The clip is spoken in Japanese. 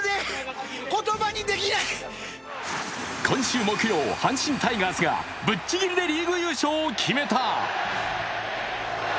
今週木曜、阪神タイガースがぶっちぎりでリーグ優勝を決めた。